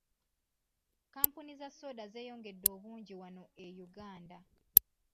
Kkampuni za soda zeeyongedde obungi wano e Uganda.